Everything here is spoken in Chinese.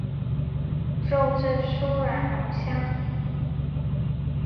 肉质酥软浓香。